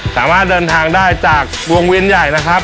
สามารถเดินทางได้จากวงเวียนใหญ่นะครับ